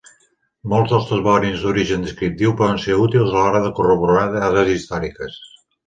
Molts dels topònims d'origen descriptiu poden ser útils a l'hora de corroborar dades històriques.